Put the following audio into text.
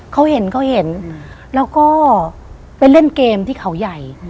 เขาเห็นแล้วก็ไปเล่นเกมที่เขาใหญ่